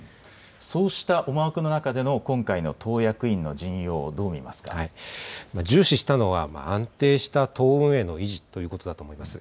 そうした思惑の中での今回の党役員の陣容をどう見ますか。重視したのは安定した党運営の維持ということだと思います。